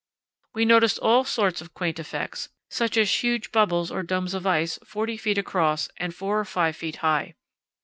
We noticed all sorts of quaint effects, such as huge bubbles or domes of ice, 40 ft. across and 4 or 5 ft. high.